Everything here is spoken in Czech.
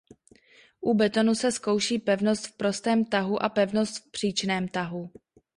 U betonu se zkouší pevnost v prostém tahu a pevnost v příčném tahu.